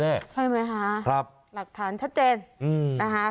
ใช่ไหมคะหลักฐานชัดเจนนะคะ